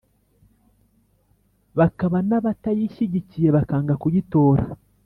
hakaba n’abatayishyigikiye bakanga kuyitora